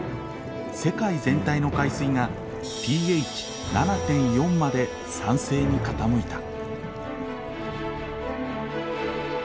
世界全体の海水がｐＨ７．４まで酸性に傾いた。